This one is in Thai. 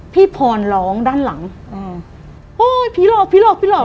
พี่พรร้องด้านหลังพี่หลอกพี่หลอกพี่หลอก